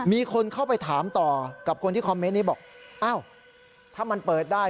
มีคนเข้าไปถามต่อกับคนที่คอมเมนต์นี้บอกอ้าวถ้ามันเปิดได้